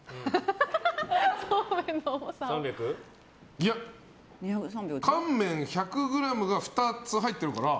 いや、乾麺１００ｇが２つ入ってるから。